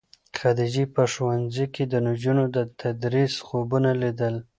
خدیجې په ښوونځي کې د نجونو د تدریس خوبونه لیدل.